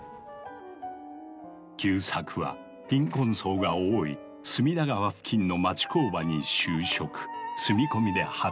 久作は貧困層が多い隅田川付近の町工場に就職。